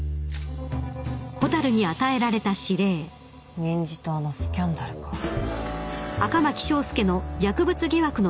民事党のスキャンダルか礼。